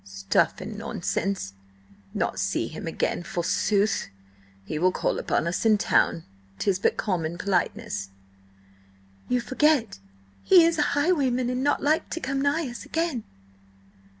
"Stuff and nonsense! Not see him again, forsooth! He will call upon us in town. 'Tis but common politeness." "You forget he is a highwayman, and not like to come nigh us again."